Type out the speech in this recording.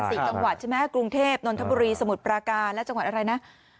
สี่จังหวัดใช่ไหมกรุงเทพนนทบุรีสมุทรปราการและจังหวัดอะไรนะ